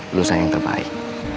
pelusuhan yang terbaik